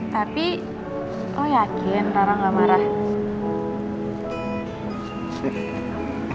tapi lo yakin rara gak marah